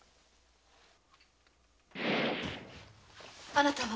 あなたは？